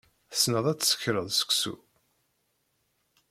Tessneḍ ad tsekreḍ seksu.